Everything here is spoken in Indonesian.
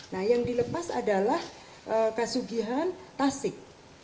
nah yang dilepas adalah kasugihan tasik